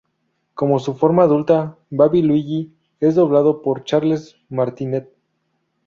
Como su forma adulta, Baby Luigi es doblado por Charles Martinet.